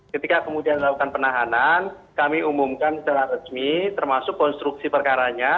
ketika kemudian dilakukan penahanan kami umumkan secara resmi termasuk konstruksi perkaranya